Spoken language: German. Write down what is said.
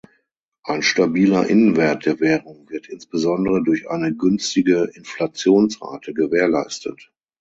Ein stabiler Innenwert der Währung wird insbesondere durch eine günstige Inflationsrate gewährleistet.